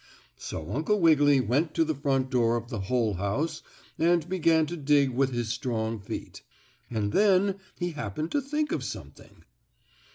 So Uncle Wiggily went to the front door of the hole house and began to dig with his strong feet. And then he happened to think of something.